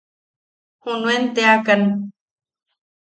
Junuen teakan.